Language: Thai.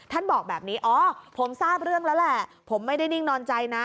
บอกแบบนี้อ๋อผมทราบเรื่องแล้วแหละผมไม่ได้นิ่งนอนใจนะ